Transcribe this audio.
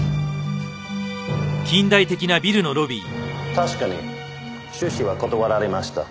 確かに出資は断られました。